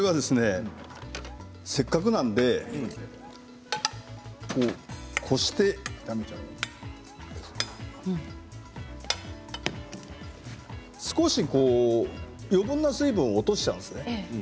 せっかくなので、こして少し余分な水分を落としちゃうんです。